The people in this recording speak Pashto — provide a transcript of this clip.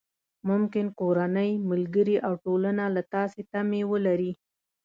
ممکن کورنۍ، ملګري او ټولنه له تاسې تمې ولري.